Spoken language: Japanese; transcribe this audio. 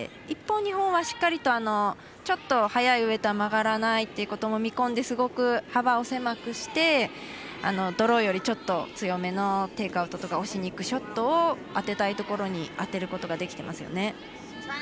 一方、日本はしっかりとちょっと速いウエイトは曲がらないということも見込んで、すごく幅を狭くしてドローよりちょっと強めのテイクアウトとか押しにいくショットを当てたいところに当てることができていますよね。